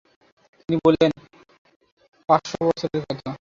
তিনি বললেন ও পাঁচশ বছরের পথ।